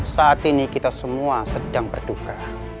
saat ini kita semua sedang berduka